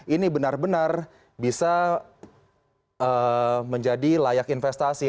ini benar benar bisa menjadi layak investasi